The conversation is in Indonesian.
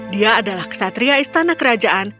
dia adalah kesatria istana kerajaan